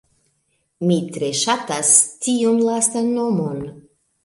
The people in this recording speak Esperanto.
Mi tre ŝatas tiun lastan nomon!